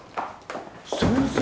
先生。